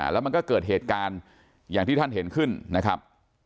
แล้วมันก็เกิดเหตุการณ์อย่างที่ท่านเห็นขึ้นนะครับ